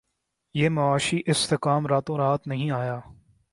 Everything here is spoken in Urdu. یہ معاشی استحکام راتوں رات نہیں آیا